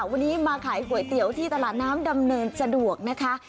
วันนี้มาขายก๋วยเตี๋ยวที่ตลาดน้ำดำเนินสะดวกนะคะ